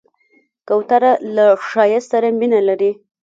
کوتره له ښایست سره مینه لري.